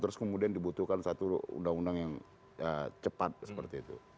terus kemudian dibutuhkan satu undang undang yang cepat seperti itu